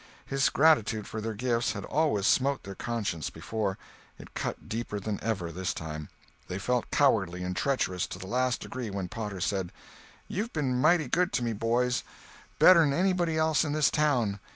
His gratitude for their gifts had always smote their consciences before—it cut deeper than ever, this time. They felt cowardly and treacherous to the last degree when Potter said: "You've been mighty good to me, boys—better'n anybody else in this town.